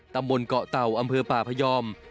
ตำบลเกาะเต่าอำเภอป่าพยอม